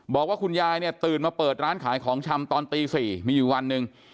บอกว่าคุณยายเนี่ยตื่นมาเปิดร้านขายของชำตอนตี๔มีอยู่วันหนึ่ง